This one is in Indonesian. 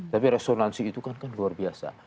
tapi resonansi itu kan luar biasa